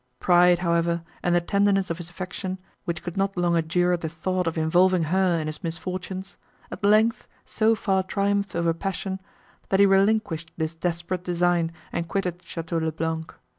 Pride, however, and the tenderness of his affection, which could not long endure the thought of involving her in his misfortunes, at length, so far triumphed over passion, that he relinquished this desperate design, and quitted Château le Blanc.